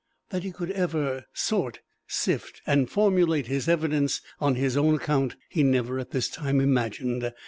That he could ever sort, sift and formulate his evidence on his own account, he never at this time imagined.